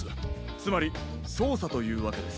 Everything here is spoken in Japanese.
つまりそうさというわけです。